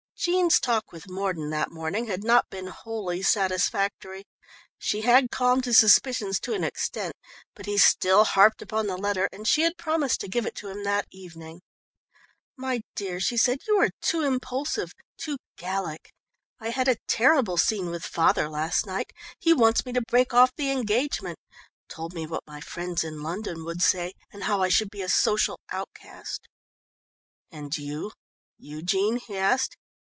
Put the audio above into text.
Jean's talk with Mordon that morning had not been wholly satisfactory. She had calmed his suspicions to an extent, but he still harped upon the letter, and she had promised to give it to him that evening. "My dear," she said, "you are too impulsive too Gallic. I had a terrible scene with father last night. He wants me to break off the engagement; told me what my friends in London would say, and how I should be a social outcast." "And you you, Jean?" he asked.